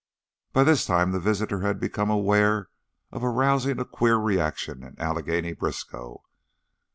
By this time the visitor had become aware of arousing a queer reaction in Allegheny Briskow.